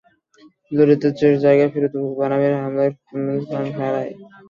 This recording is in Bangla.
লরিতে করে বাগায় ফেরার পথে বোকো হারামের হামলায় আটজন প্রাণ হারায়।